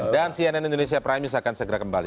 dan cnn indonesia prime news akan segera kembali